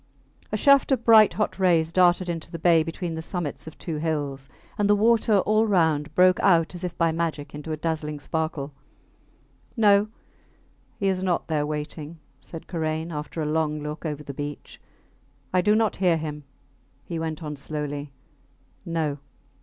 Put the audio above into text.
A shaft of bright hot rays darted into the bay between the summits of two hills, and the water all round broke out as if by magic into a dazzling sparkle. No! He is not there waiting, said Karain, after a long look over the beach. I do not hear him, he went on, slowly. No!